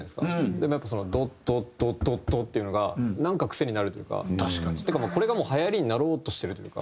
でも「ドッドッドッドッドッ」っていうのがなんか癖になるというか。というかこれがもうはやりになろうとしてるというか。